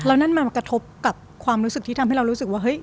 แล้วนั่นมันกระทบกับความรู้สึกที่ทำให้เรารู้สึกว่าเฮ้ย